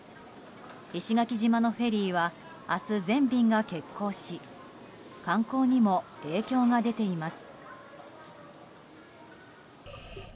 石垣島のフェリーは明日、全便が欠航し観光にも影響が出ています。